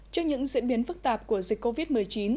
trước những diễn biến phức tạp của dịch covid một mươi chín